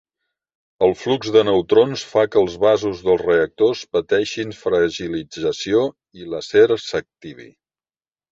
El flux de neutrons fa que els vasos dels reactors pateixin fragilització i l'acer s'activi.